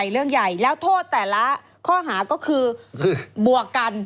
เรื่องใหญ่แล้วโทษแต่ละข้อหาก็คือบวกกัน